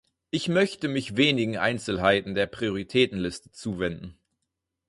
Ich möchte mich wenigen Einzelheiten der Prioritätenliste zuwenden.